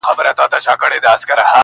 هو زه پوهېږمه، خیر دی یو بل چم وکه.